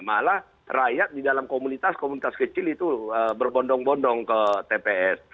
malah rakyat di dalam komunitas komunitas kecil itu berbondong bondong ke tps